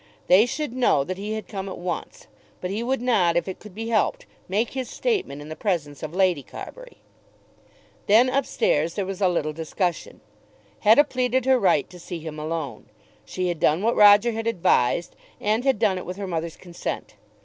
They should know that he had come at once; but he would not, if it could be helped, make his statement in the presence of Lady Carbury. Then, up stairs, there was a little discussion. Hetta pleaded her right to see him alone. She had done what Roger had advised, and had done it with her mother's consent.